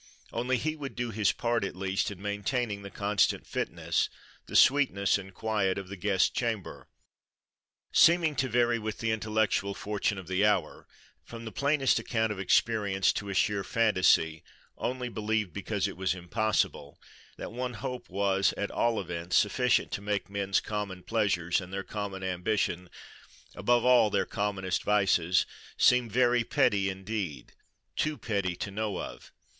Only, he would do his part, at least, in maintaining the constant fitness, the sweetness and quiet, of the guest chamber. Seeming to vary with the intellectual fortune of the hour, from the plainest account of experience, to a sheer fantasy, only "believed because it was impossible," that one hope was, at all events, sufficient to make men's common pleasures and their common ambition, above all their commonest vices, seem very petty indeed, too petty to know of.